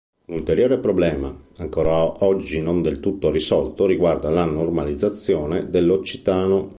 Un ulteriore problema, ancor oggi non del tutto risolto, riguarda la normalizzazione dell'occitano.